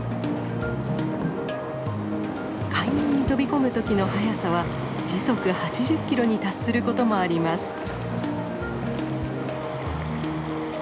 海面に飛び込む時の速さは時速８０キロに達することもあります。